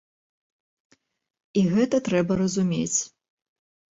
І гэта трэба разумець.